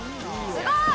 すごい！